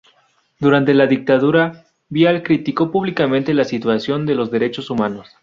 Durante la dictadura, Vial criticó públicamente la situación de los derechos humanos.